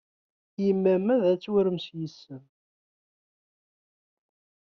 Yemma-m ad tumar yes-m.